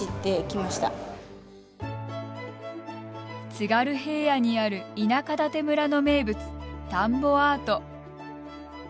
津軽平野にある田舎館村の名物「田んぼアート」。